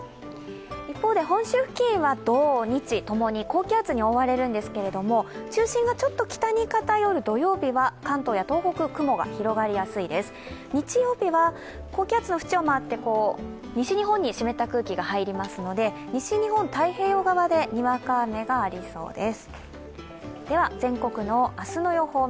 一方で本州付近は土日共に高気圧に覆われるんですけど、中心がちょっと北に偏る土曜日は日曜日は高気圧の縁を回って西日本に湿った空気が入り込みますので、西日本太平洋側でにわか雨がありそうです。